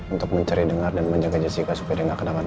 untuk mencari dengar dan menjaga jessica supaya dia gak kenakan apa